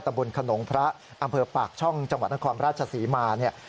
บนขนงพระอำเภอปากช่องจังหวัดนครราชศรีมาเนี่ย